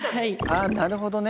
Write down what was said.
あっなるほどね。